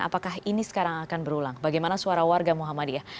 apakah ini sekarang akan berulang bagaimana suara warga muhammadiyah